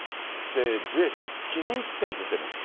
ジュエ氏、記念切手も出てるんですって。